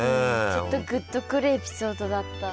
ちょっとグッとくるエピソードだった。